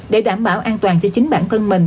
để đảm bảo an toàn cho chính bản thân mình